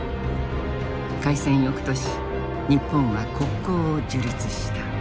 開戦翌年日本は国交を樹立した。